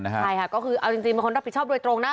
ใช่ค่ะก็คือเอาจริงเป็นคนรับผิดชอบโดยตรงนะ